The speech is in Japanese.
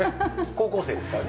高校生ですからね。